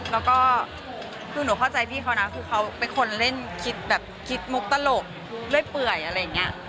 แล้วก็คือหนูเข้าใจพี่เขานะคือเขาเป็นคนเล่นคิดแบบคิดมุกตลกเรื่อยเปื่อยอะไรอย่างนี้